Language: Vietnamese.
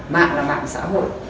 mạng là mạng xã hội